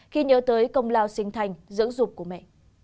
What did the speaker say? khi nhớ tới công lao sinh thành dưỡng dục của mẹ